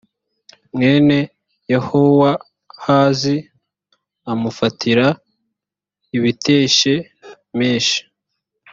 mwene yehowahazi amufatira i betishemeshi